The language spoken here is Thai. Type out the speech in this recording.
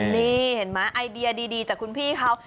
นี่เห็นไหมไอเดียดีจากคุณพี่เขา